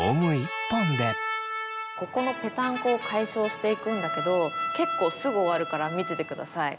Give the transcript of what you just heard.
ここのぺたんこを解消していくんだけど結構すぐ終わるから見ててください。